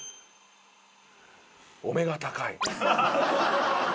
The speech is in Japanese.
お目が高い。